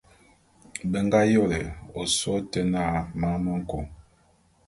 Be nga yôle ôsôé ôte na Man me nku.